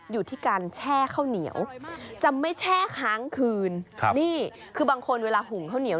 อยู่ที่การแช่ข้าวเหนียวจะไม่แช่ค้างคืนครับนี่คือบางคนเวลาหุงข้าวเหนียว